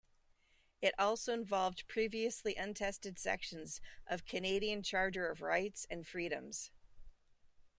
It also involved previously untested sections of Canadian Charter of Rights and Freedoms.